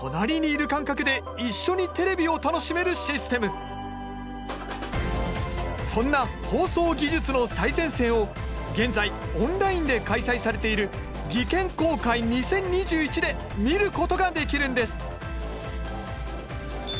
さらにこちらはそんな放送技術の最前線を現在オンラインで開催されている「技研公開２０２１」で見ることができるんです。